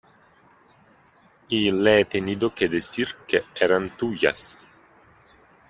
y le he tenido que decir que eran tuyas.